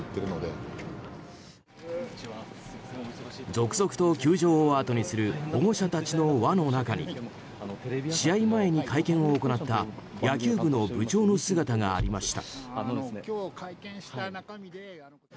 続々と球場をあとにする保護者たちの輪の中に試合前に会見を行った野球部の部長の姿がありました。